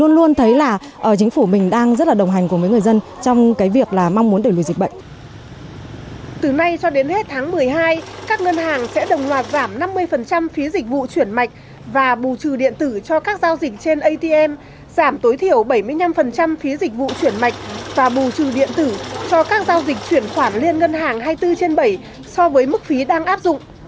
và bù trừ điện tử cho các giao dịch chuyển khoản lên ngân hàng hai mươi bốn trên bảy so với mức phí đang áp dụng